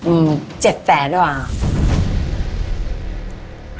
อืมเจ็บแฝนด้วยค่ะ